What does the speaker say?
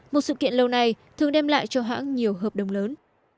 một sự kiện lâu nay thường đem lại cho hãng nhiều hợp đồng lớn